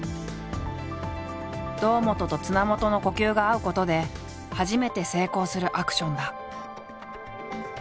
堂本と綱元の呼吸が合うことで初めて成功するアクションだ。